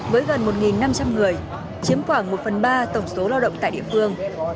với gần một năm trăm linh người chiếm khoảng một phần ba tổng số lao động tại địa phương